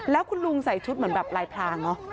แล้วคุณลุงใส่ชุดเหมือนแบบลายพรางเนอะ